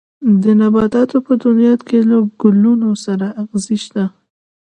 د نباتاتو په دنيا کې له ګلونو سره ازغي شته.